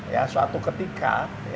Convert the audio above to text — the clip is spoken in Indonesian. ya suatu ketika